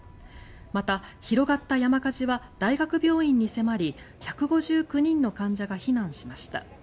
また、広がった山火事は大学病院に迫り１５９人の患者が避難しました。